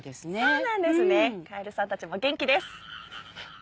そうなんですねカエルさんたちも元気です。